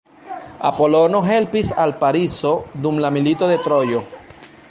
Apolono helpis al Pariso dum la Milito de Trojo.